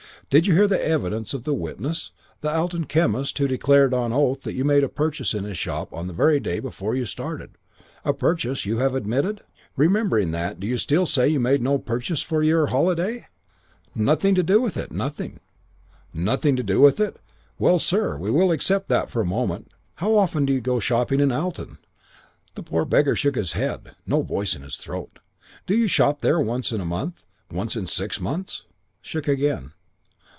Did you hear the evidence of the witness the Alton chemist who declared on oath that you made a purchase in his shop on the very day before you started, a purchase you have admitted? Remembering that, do you still say you made no purchases for your holiday?' "'Nothing to do with it. Nothing ' "'Nothing to do with it? Well, sir, we will accept that for a moment. Do you often go shopping in Alton?' "The poor beggar shook his head. No voice in his throat. "'Do you shop there once in a month, once in six months?' "Shook again.